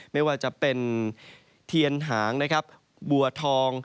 ไม่ว่าจะเป็นเทียนหางบัวทอง